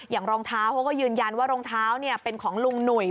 รองเท้าเขาก็ยืนยันว่ารองเท้าเป็นของลุงหนุ่ย